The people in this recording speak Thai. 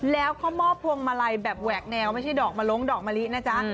แล้วเขามอบพวงมาลัยแบบแหวกแนวไม่ใช่ดอกมะลงดอกมะลินะจ๊ะ